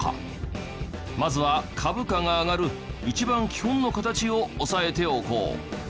まずは株価が上がる一番基本の形を押さえておこう。